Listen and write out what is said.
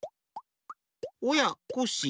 おやコッシー